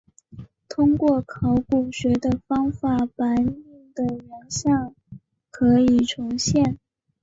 通过考古学的方法白令的原像可以重现。